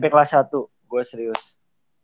pertama kali basket tuh gue mulai smp kelas satu gue serius